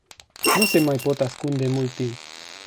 Nu se mai pot ascunde mult timp.